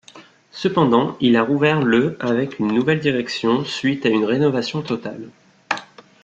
Cependant, il a rouvert le avec une nouvelle direction suite à une rénovation totale.